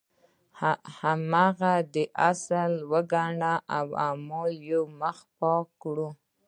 هماغه اصل وګڼو او اعمال یو مخ پاک کړو.